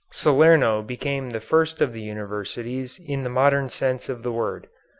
Salerno became the first of the universities in the modern sense of the word.